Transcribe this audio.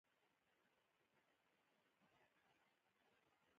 او د رياضي سائنس او فارسي ژبې مضامين ئې ښودل